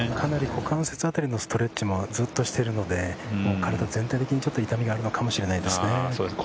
股関節あたりのストレッチもかなりやっているので、体全体的に痛みがあるのかもしれないですね。